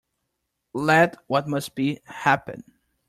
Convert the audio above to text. Let what must be, happen.